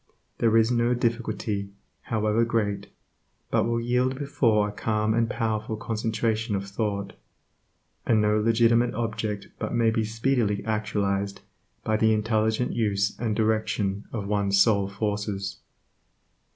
There is no difficulty, however great, but will yield before a calm and powerful concentration of thought, and no legitimate object but may be speedily actualized by the intelligent use and direction of one's soul forces.